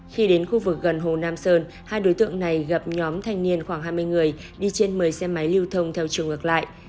khi đến khu vực gần hồ nam sơn hai đối tượng này gặp nhóm thanh niên khoảng hai mươi người đi trên một mươi xe máy lưu thông theo chiều ngược lại